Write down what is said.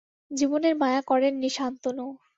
জীবনের মায়া করেননি শান্তনু।